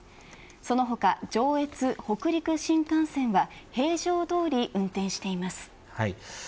その他、上越北陸新幹線は平常どおり運転しています